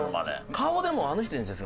顔でもあの人に。